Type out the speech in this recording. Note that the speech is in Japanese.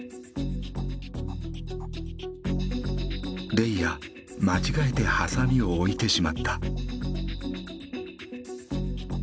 レイヤ間違えてハサミを置いてしまった。